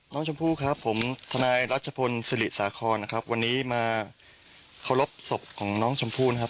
น้องชมพู่ครับผมทนายรัชพลศิริสาครนะครับวันนี้มาเคารพศพของน้องชมพู่นะครับ